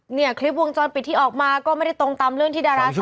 เนี่ยคลิปวงจรปิดที่ออกมาก็ไม่ได้ตรงตามเรื่องที่ดาราสาว